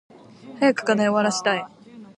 早く課題終わらしたい。